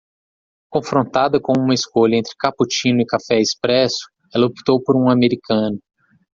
Confrontada com uma escolha entre cappuccino e café expresso, ela optou por um americano.